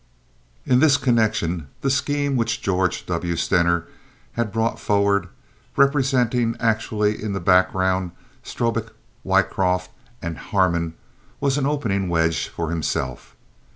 In this connection, the scheme which George W. Stener had brought forward, representing actually in the background Strobik, Wycroft, and Harmon, was an opening wedge for himself.